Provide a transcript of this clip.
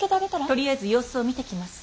とりあえず様子を見てきます。